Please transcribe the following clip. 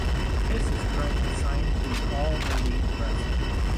Kiss is currently signed to All Elite Wrestling.